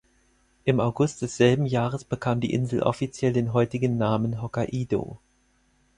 Im August desselben Jahres bekam die Insel offiziell den heutigen Namen Hokkaido.